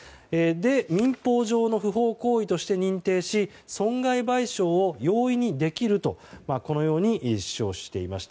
民法上の不法行為として認定し損害賠償を容易にできるとこのように主張していました。